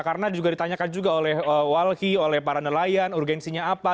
karena ditanyakan juga oleh walhi oleh para nelayan urgensinya apa